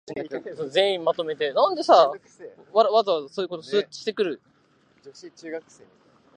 伝える